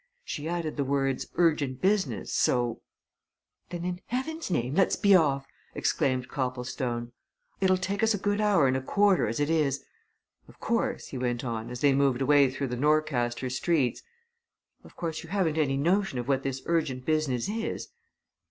She added the words urgent business so " "Then in heaven's name, let's be off!" exclaimed Copplestone. "It'll take us a good hour and a quarter as it is. Of course," he went on, as they moved away through the Norcaster streets, "of course, you haven't any notion of what this urgent business is?"